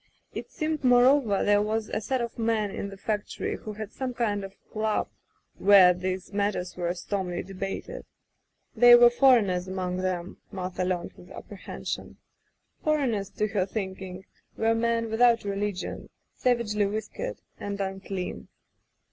It seemed, moreover, there was a set of men in the factory who had some kind of club where these matters were stormily debated. There were foreigners among them, Martha learned with apprehension. Foreigners, to [ 210 ] Digitized by LjOOQ IC Martha her thinking, were men without religion^ savagely whiskered, and unclean.